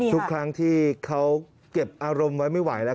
ทุกครั้งที่เขาเก็บอารมณ์ไว้ไม่ไหวแล้ว